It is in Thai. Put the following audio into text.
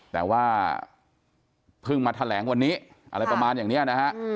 แต่ว่าเพิ่งมาแถลงวันนี้อะไรประมาณอย่างนี้นะฮะ